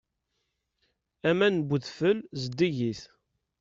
Aman n udfel zeddigit.